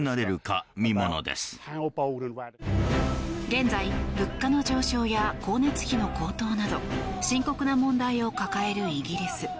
現在、物価の上昇や光熱費の高騰など深刻な問題を抱えるイギリス。